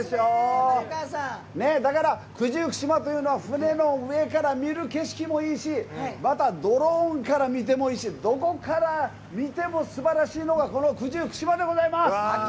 九十九島というのは船の上から見る景色もいいしまた、ドローンから見てもいいしどこから見てもすばらしいのがこの九十九島でございます。